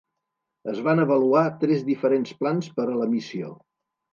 Es van avaluar tres diferents plans per a la missió.